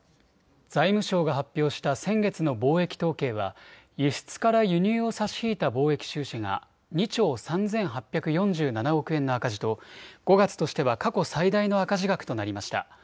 財務省が発表した先月の貿易統計は輸出から輸入を差し引いた貿易収支が２兆３８４７億円の赤字と５月としては過去最大の赤字額となりました。